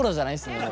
もう。